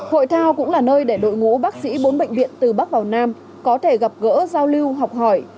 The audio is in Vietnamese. hội thao cũng là nơi để đội ngũ bác sĩ bốn bệnh viện từ bắc vào nam có thể gặp gỡ giao lưu học hỏi